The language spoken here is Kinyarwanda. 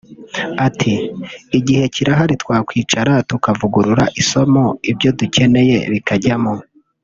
Ati’’Igihe kirahari twakwicara tukavugurura isomo ibyo dukeneye bikajyamo